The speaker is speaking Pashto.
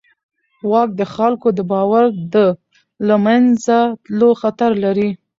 واک د خلکو د باور د له منځه تلو خطر لري.